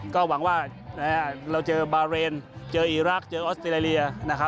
ก็หวังว่าเราเจอบาเรนเจออีรักษ์เจอออสเตรเลีย